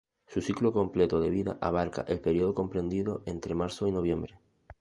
Su ciclo completo de vida abarca el periodo comprendido entre marzo y noviembre.